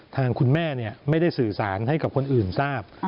ทางคุณแม่ไม่ได้สื่อสารให้กับคนอื่นทราบ